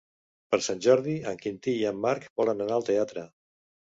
Per Sant Jordi en Quintí i en Marc volen anar al teatre.